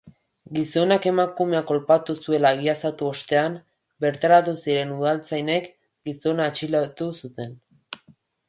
Gizonak emakumea kolpatu zuela egiaztatu ostean, bertaratu ziren udaltzainek gizona atxilotu zuten.